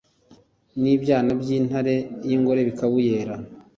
n'ibyana by'intare y'ingore bikabuyera